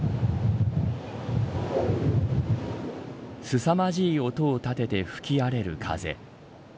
すさまじい音をたてて吹き荒れる風。